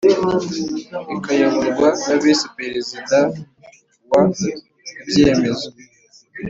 ikayoborwa na Visi perezida wa Ibyemezo